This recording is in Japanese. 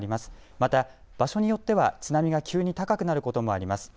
また場所によっては津波が急に高くなることもあります。